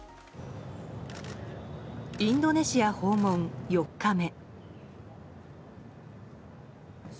インドネシア訪問、４日目。